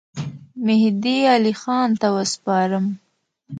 مهدي علي خان ته وسپارم.